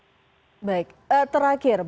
terakhir bagaimana untuk isolasi mandiri